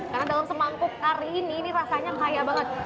karena dalam semangkuk kari ini ini rasanya kaya banget